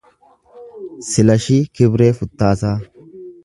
Silashii Kibree Futtaasaa